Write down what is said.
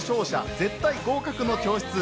絶対合格の教室ー』。